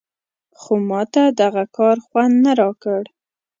خو ماته دغه کار خوند نه راکړ.